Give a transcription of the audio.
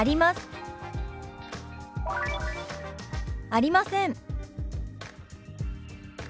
「ありません」。